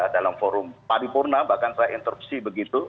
dalam forum paripurna bahkan saya interupsi begitu